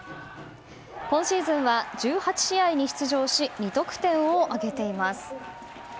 今シーズンは１８試合に出場し２得点を挙げています。